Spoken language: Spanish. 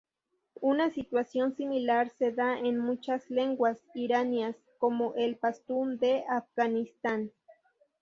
Una situación similar se da en muchas lenguas iranias, como el pastún de Afganistán.